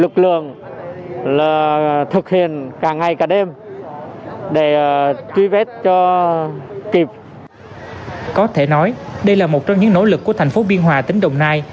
có thể nói đây là một trong những nỗ lực của thành phố biên hòa tỉnh đồng nai